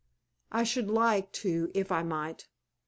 "I should like to if I might."